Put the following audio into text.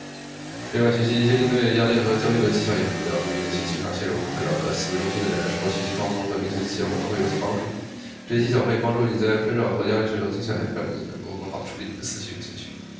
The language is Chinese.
另外，学习一些应对压力和焦虑的技巧也很重要。对于那些经常陷入困扰的思维中心的人来说，学习放松和冥想技巧可能会有所帮助。这些技巧可以帮助你在纷扰和压力时冷静下来，让你能够更好地处理你的思绪和情绪。